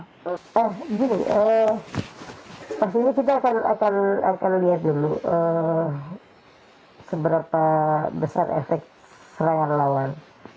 oh gini pastinya kita akan lihat dulu seberapa besar efek serangan lawan